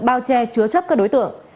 bao che chứa chấp các đối tượng